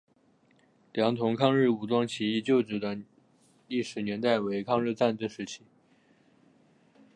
良垌抗日武装起义旧址的历史年代为抗日战争时期。